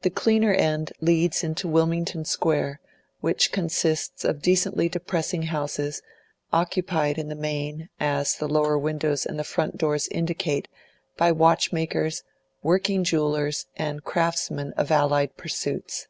The cleaner end leads into Wilmington Square, which consists of decently depressing houses, occupied in the main, as the lower windows and front doors indicate, by watchmakers, working jewellers, and craftsmen of allied pursuits.